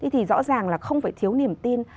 thì rõ ràng là không phải thiếu niềm tin